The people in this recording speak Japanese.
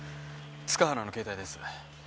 塚原の携帯です。